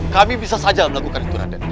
kami bisa saja melakukan itu raden